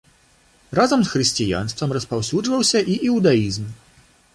Разам з хрысціянствам распаўсюджваўся і іўдаізм.